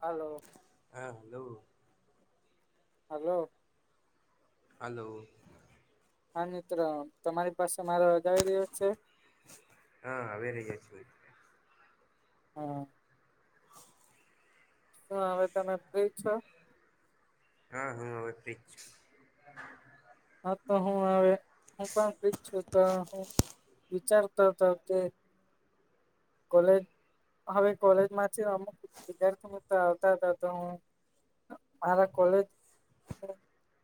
હાલો હા hello hello hello. હા મિત્ર. તમારી પાસે મારો અવાજ આવી રહ્યો છે? હા આવી રહ્યો છે મિત્ર. હા [inaudible] હુ હવે તમે ફ્રી છો. હા હું હવે ફ્રી જ છુ. હા તો હુ હવે હુ પણ ફ્રી જ છુ, તો હુ વિચારતો હતો કે કોલેજ હવે કોલેજમાંથી અમુક વિદ્યાર્થી મિત્ર આવતા હતા તો હુ મારા કોલેજના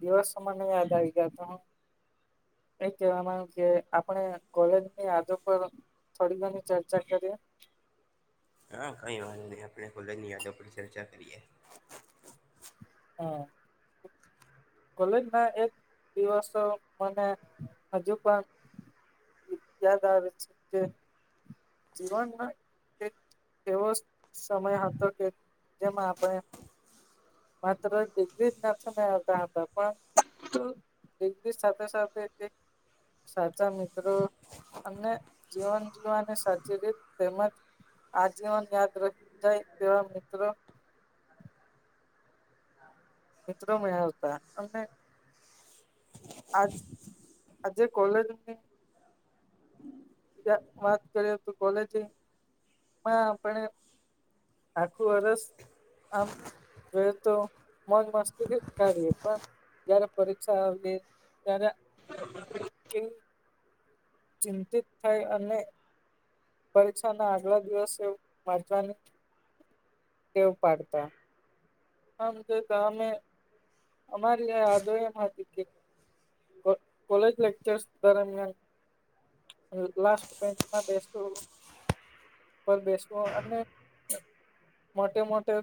દિવસો મને યાદ આવી ગ્યા તો હુ. એ કહેવા માગુ કે આપણે કોલેજની આદો પર થોડી ઘણી ચર્ચા કરીએ હા, કઈ વાત નહી આપણે કોલજની યાદો પર ચર્ચા કરીએ. હા કોલેજ ના એક દિવસો મને હજુ પણ યાદ આવે છ છે. જીવનમાં કંઈક એવો સમય હતો, કે જેમાં આપણે માત્ર [unintelligible] નાથને આવતા હતા પણ ઇંગી સાથે સાથે સાચા મિત્રો અને જીવન જીવવા અને સ તેમજ આજીવન યાદ રખ જાય તેવા મિત્રો મિત્રો મળેલ હતા અને આ આજે કોલેજની વાત કરીએ તો કોલેજમાં આપણે આખું વરસ આમ જો એ તો મોજ મસ્તીથી જ કરીએ પણ જયારે પરીક્ષા આવીએ ત્યારે કંઇ ચિંતિત થાય અને પરીક્ષા ના આગલા દિવસે વાચવાની તેવ પાડતા આમ જો તો અમે અમારી યાદો એમ હતી કે કોલેજ લેક્ચર્સ દરમિયાન લાસ્ટ મેચમાં બેસવુ પર બેસવુ અને મોટે મોટે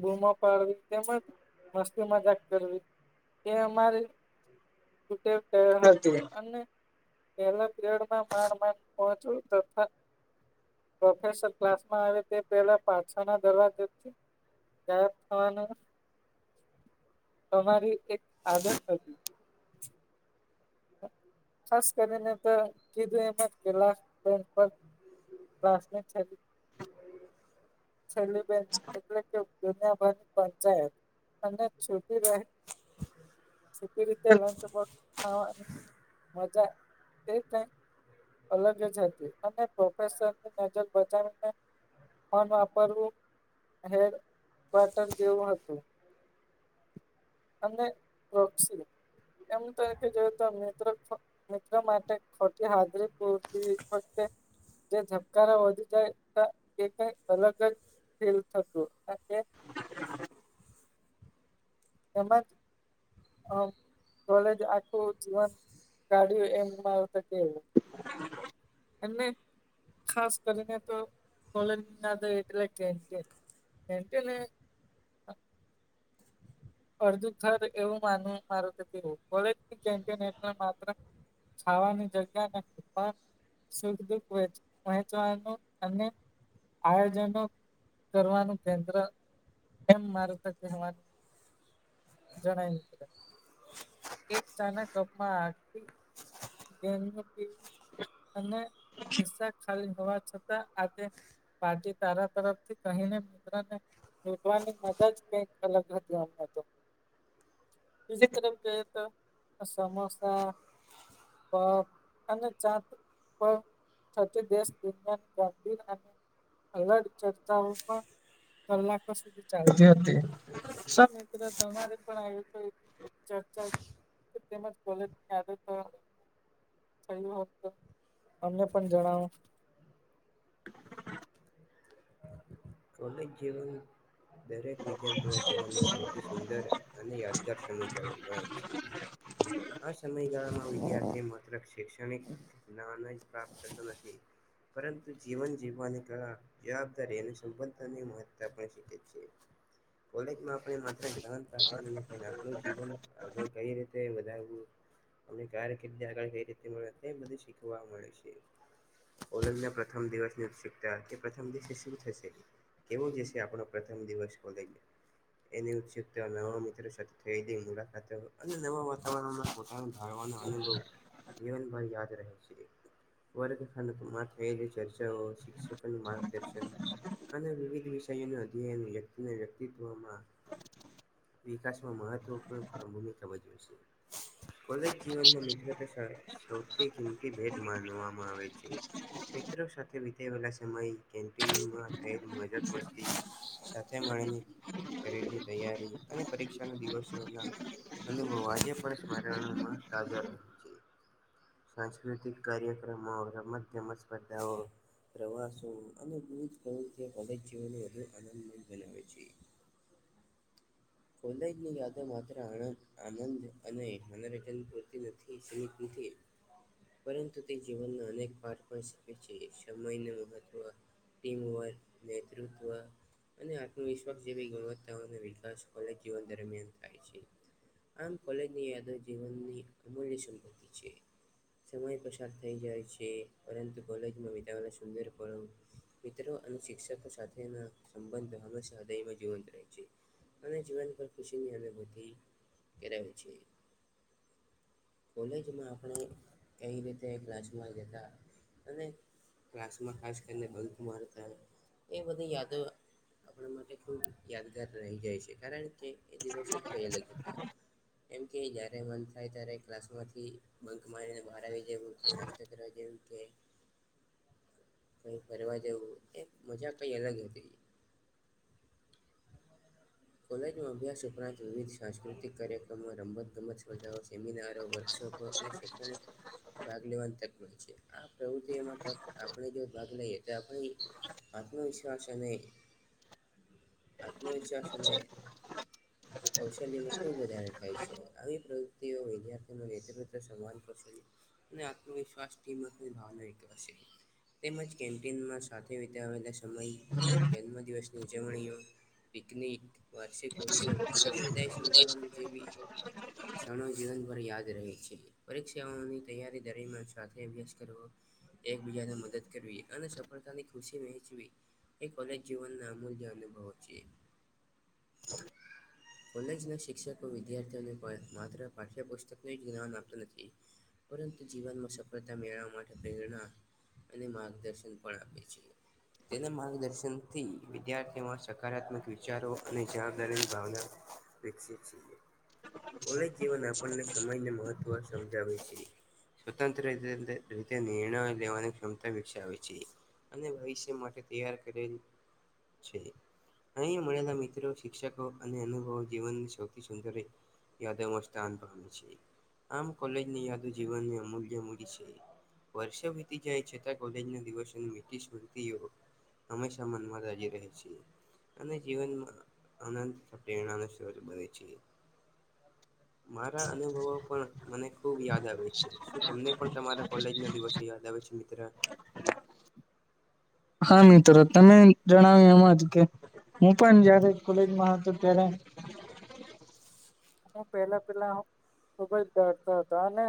બૂમો પાડવી તેમજ મસ્તી મજાક કરવી એ અમારી હતી અને પહેલા પીયડ માડ માડ પહોચવું તથા પ્રોફેસર ક્લાસ આવે તે પહેલા પાસળના દરવાજા થી ગાયબ. થવાનું અમારી એક આદત હતી. ખાસ કરીને તો કીધું એ પેલા બેન્ચ પર ક્લાસમેન્ટ હતી. [inaudible] છેલી બેન્ચ એટલે પંચાયત અને છોટી રહે છોટી રીતે ખાવા મજા એ તા અલગ જ હતી અને પ્રોફસરની નજર બચાવીને ફોન વાપ પરવું હેર વટર જેવું હતુ. અને એમ તરીકે જોઈએ તો મિત્ર ફ મિત્રો માટે ખોટી હાજરી પૂરતી વખતે જે ધબકારા વધી જાય ત કઈક અલગ જ ફીલ થતુ. એમજ અ કોલેજ આખું જીવન કાળ એમ આ વખતે એમને ખાસ કરીને તો કોલેજ નાદ એટલે અરધુ થર એવું માનવુ મારુ તો કોલેજ માત્ર ખાવાની જગ્યા સુખ દુખ વેચ વહેચવા અને આયોજનો કરવાનું કેન્દ્ર એમ મારુત કહેવા જણાય મિત્ર એક ચા ના કપમાં [unintelligible] અને ખીસ્સા ખાલી હોવા છતાં આજે પાર્ટી તારા તરફથી કહીને મિત્રો ને લૂંટવાની મજા જ કઈક અલગ હતી. બીજી તરફ જોઈએ ત સમોસા પફ અને ચા પ સાચે દેશ દુનિયાની ગાંધી અને અલગ ચર્ચાઓ પણ કલાકો સુધી ચાલતી હતી. શું મિત્રો તમારે પણ આવી કોઈ ચર્ચા. તેમજ કોલેજથી આવે તો થયું હોય તો અમને પણ જણાવો. કોલેજ જીવન દરેક વિદ્યાર્થીના જીવનમાં સૌથી સુંદર અને યાદગાર સમયગાળો ગણાય છે. આ સમયગાળામાં વિદ્યાર્થી માત્ર શૈક્ષણિક નામે જ પ્રાપ્ત થતું નથી, પરંતુ જીવન જીવવાની કળા રહલી સંબંધોની મહત્તા પણ શીખીએ છીએ. કોલેજમાં આપણે માત્ર વાત કરીએ પણ આપણું જીવન આગળ કઈ રીતે વધારવું અમને ક્યારેક [unintelligible] એ બધુ શીખવા મળે છે. કોલેજના પ્રથમ દિવસની ઉત્સુકતા કે પ્રથમ દિવસે શું થશે એના જ વીષે આપણો પ્રથમ દિવસ કોલેજ એની ઉત્સુકતા નવા મિત્રો સાથે થઈ ગઈ મુલાકાત અને નવા વાતાવરણમાં ઢાળવાનો અનુભવ જીવનભર યાદ રહે છે. વર્ગખંડમાં થયેલી ચર્ચાઓ શિક્ષકોનું માર્ગદર્શન અને વિવિધ વિષયોના અધ્યયન વ્યક્તિને વ્યક્તિત્વમાં વિકાસમાં મહત્વપૂર્ણ ભૂમિકા ભજવે છે. કોલેજ જીવનમાં મિત્રતા સૌથી કિંમતી ભેટ માનવામાં આવે છે‌. મિત્રો સાથેની ફેરવેલનો સમય, કેંન્ટીનમાં કરેલી મજાકમસ્તી સાથે મળીને કરેલી તૈયારી અને પરીક્ષાના દિવસોના અનુભવો આજે પણ સ્મારણમાં તાજા રહે છે. સાંસ્કૃતિક કાર્યક્રમો, રમતગમત સ્પર્ધાઓ પ્રવાસો અને વિવિધ પ્રવૃત્તિઓ [unintelligible] જીવન વધુ આનંદમય બનાવે છે. કોલેજની યાદો માત્ર આણદ આનંદ અને મનોરંજન પૂરતી નથી સીમિત નથી. પરંતુ તે જીવનના અનેક પાઠ પણ શકે છે. સમયનું મહત્વ ટીમવર્ક, નેતૃત્વ અને આત્મવિશ્વાસ જેવી ગુણવત્તાઓનો વિકાસ કોલેજ જીવન દરમિયાન થાય છે. આમ કોલેજની યાદો જીવનની અમૂલ્ય સંપત્તિ છે. સમય પસાર થઈ જાય છે પરંતુ કોલેજમાં વિતાવેલા સુંદર પળો મિત્રો અને શિક્ષકો સાથેના સંબંધો હંમેશા હૃદયમાં જીવંત રહે છે. અને જીવન પર ખુશીની અનુભૂતિ કરાવે છે. કોલેજમાં આપણે કઈ રીતે ક્લાસમાં જતાં અને ક્લાસમાં ખાસ કરીને બંક મારતા. એ બધી યાદો આપણા માટે ખૂબ યાદગાર રહી જાય છે કારણ કે, એ દિવસો જ કાંઈ અલગ હતા. એમ કે જ્યારે મન થાય ત્યારે ક્લાસમાંથી બંક મારીને બહાર આવી જેવું કે નાસ્તો કરવા જવુ કે કંઈ ફરવા જવું એ મજા કંઈ અલગ હતી. કોલેજમાં અભ્યાસ ઉપરાંત વિવિધ સાંસ્કૃતિક કાર્યક્રમો, રમતગમત સ્પર્ધાઓ, સેમિનારો, વર્કશોપો અને શૈક્ષણિક ભાગ લેવાની તક મળે છે. આ પ્રવૃત્તિમાં તક આપણે જો ભાગ એતો આપણી આત્મવિશ્વાસ અને આત્મવિશ્વાસ લે. [inaudible] કૌશલ્યમાં ખૂબ વધારો થાય છે આવી પ્રવૃત્તિઓ વિદ્યાર્થીનું નેતૃત્વ સમાન કૌશલ્ય અને આત્મવિશ્વાસ કિંમતની ભાવના એક હશે. તેમજ કેન્ટીનમાં સાથે વિતેવેલા સમય જન્મદિવસની ઉજવણીઓ નીક વાર્ષિક ઉત્સવ અને વિદાય સભારંભ જેવી ક્ષણો જીવનભર યાદ રહે છે. પરીક્ષાઓની તૈયારી દરમિયાન સાથે અભ્યાસ કરવો એકબીજાને મદદ કરવી અને સફળતાની ખુશી વહેંચવી. એ કોલેજ જીવન ના અમૂલ્ય અનુભવો છે. હા [inaudible] કોલેજ ના શિક્ષકો વિદ્યાર્થીઓને પણ માત્ર પાઠ્યપુસ્તકને જ જ્ઞાન આપતું નથી પરંતુ જીવનમાં સફળતા મેળવવા માટે પ્રેરણા અને માર્ગદર્શન પણ આપે છે. તેના માર્ગદર્શનથી વિદ્યાર્થીઓમાં સકારાત્મક વિષ ચારો અને જાનદારીની ભાવના વિકસિત છીએ. કોલેજ જીવન આપણને સમયને મહત્ત્વ સમજાવે છે. સ્વતંત્ર રી રી રીતે નિર્ણય લેવાની ક્ષમતા વિકસાવે છે. અને ભવિષ્ય માટે તૈયાર કરેલ છે. અહીંયા મળેલા મિત્રો શિક્ષકો અને અનુભવો જીવનની સૌથી સુંદર રહે. યાદોમાં સ્થાન પામે છે આમ કોલેજની યાદો જીવનની અમૂલ્ય મૂડી છે. વર્ષો વીતી જાય છતાં કોલેજ ના દિવસો મીઠી સ્મતિયો હમેશા મનમાં રાજી રહે છી. અને જીવનમાં આનંદ પ્રેરણા નો સ્ત્રોત બને છે. મારા અનુભવો પણ મને ખુબ યાદ આવે છે શું તમને પણ તમારા કોલેજ ના દિવસે યાદ આવે છે મિત્રા હા મિત્રો તમે જણાવ્યું એમાં હતું કે હું પણ જયારે કોલેજમાં હતો ત્યારે હું પેલા પેલા ખુબ જ ડરતો હતો અને.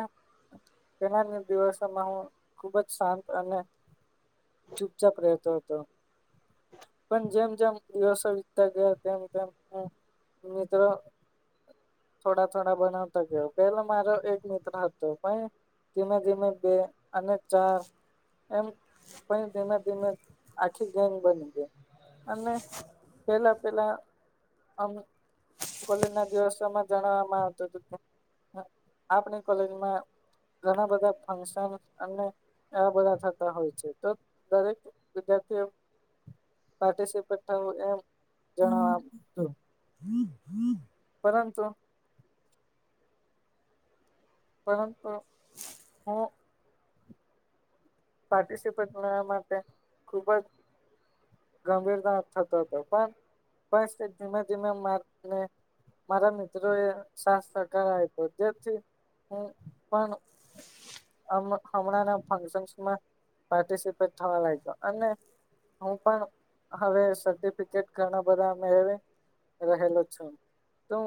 પેલા ના દિવસોમાં હું ખુબ જ શાંત અને ચૂપ ચાપ રેહતો હતો. પણ જેમ જેમ દિવસો વિતતા ગયા તેમ તેમ હું મિત્રો થોડા થોડા બનાવતા ગયો પેલો મારો એક મિત્ર હતો પણ ધીમે ધીમે બે અને ચાર એમ પણ ધીમે ધીમે આખી ગેંગ બની ગઈ અને પેલા પેલા આમ કોલેજ ના. દિવસોમાં જણવામાં આવતું હતું આપણી કોલેજમાં ઘણા બધા ફંક્શન અને આ બધા થતા હોય છે તો દરેક વિદ્યાર્થીઓ પાર્ટિસપેટ થુંવુ એમ જણાવ તું. હ હદ [inaudible] પરંતુ. પરંતુ હું. પાર્ટિસિપેટ ના માટે ખુબ જ. ગંભીરતા થતો હતો પણ તે ધીમે ધીમે માર્ને મારા મિત્રો એ શસ્ત્ર કરાવ તો જેથી હું પણ હમ હમણાં ફક્સનમા પારિસપેટ થવા લાગતો અને હું પણ હવે સર્ટિફિકેટ ઘણા બધા મેડવી રહેલો છું. તુ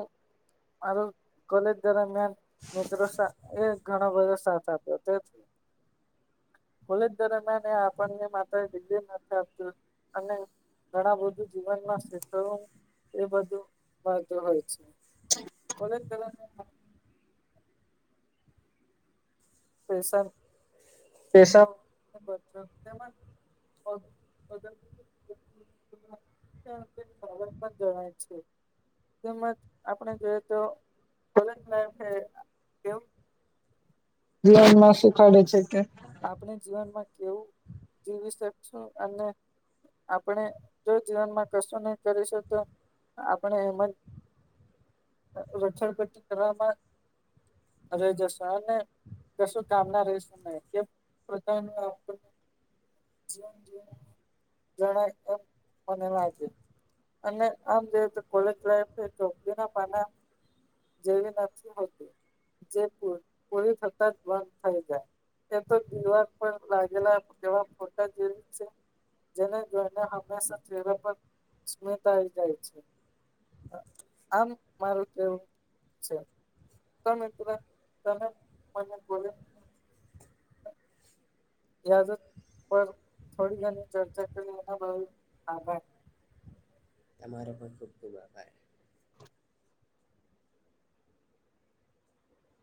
મારુ. કોલેજ દરમિયાન મે મિત્રો સા એ ઘણો બધો સાથ આપ્યો તેથી કોલેજ દરમિયાન એ આપણને માત્ર ડિગ્રી નથી આપતુ અને ઘણા બધું જીવનમાં સીતલ નુ. એ બધું મળતું હોય છે [unintelligible] [unintelligible] [unintelligible] [unintelligible] પણ જણાય છે તેમજ આપણે જોય તો [unintelligible] જીવન માં શુંખાડે છે કે આપણે જીવનમાં કેવું જીવી શકશું અને આપણે જો જીવનમાં કશું નહીં કરીશું તો આપણે એમ જ રથડપટી કરવામાં જ રેય જશું અને [inaudible] કશું કામના રઈશું નઈ કેમ બધાયને આપને જીવન જીવાના જણાય તો મને લાગે અને આમ જોઈ તો કોલેજ લાઇફ એ ચોપડી ના પાના જેવી નથી હોતી જે પુર પૂરી થતી તઅત બન થઈ જાય. એમ તો દિવાર પર લાગેલા એવા ફોટા જેવી જ છે જેને જોઈને હંમેશા ચેરા પર સ્મિત આવી જાય છે. અ આમ મારું કેવું છે તો મિત્ર તમે અને બોલે યાદો પર થોળી ઘણી ચર્ચા કરી એનો બઉ આભાર. તમારો પણ ખૂબ ખૂબ આભાર.